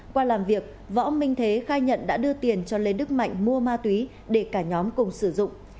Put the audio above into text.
qua làm việc võ minh thế khai nhận đã đưa tiền cho lê đức mạnh mua ma túy để cả nhóm cùng sử dụng